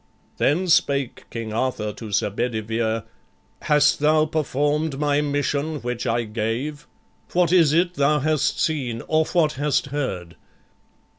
Then spake King Arthur to Sir Bedivere: "Hast thou perform'd my mission which I gave?" What is it thou hast seen? or what hast heard?